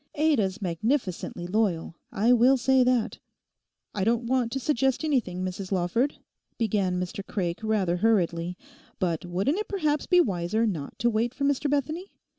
Ada's magnificently loyal—I will say that.' 'I don't want to suggest anything, Mrs Lawford,' began Mr Craik rather hurriedly, 'but wouldn't it perhaps be wiser not to wait for Mr Bethany?